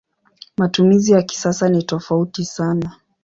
Matumizi ya kisasa ni tofauti sana.